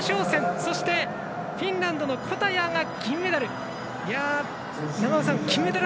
そしてフィンランドのコタヤが銀メダル。